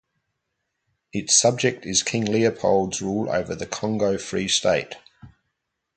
Its subject is King Leopold's rule over the Congo Free State.